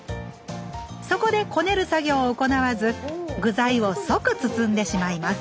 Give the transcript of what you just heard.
そこでこねる作業を行わず具材を即包んでしまいます